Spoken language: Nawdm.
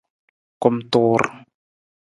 Kumtuur.